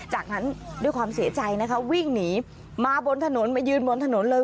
จากนั้นด้วยความเสียใจนะคะวิ่งหนีมาบนถนนมายืนบนถนนเลย